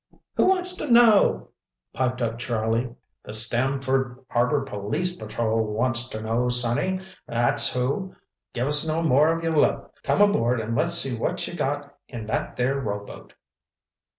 "Who wants to know?" piped up Charlie. "The Stamford Harbor Police Patrol wants ter know, sonny—that's who. Give us no more of your lip. Come aboard and let's see what ye got in that there rowboat!"